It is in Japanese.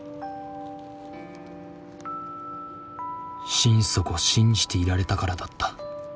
心底信じていられたからだった。